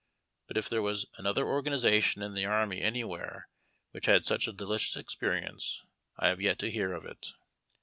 But if there was another organization in the army anywhere which had such a delicious experience, 1 have yet to hear of it.